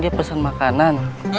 dia pesen makanan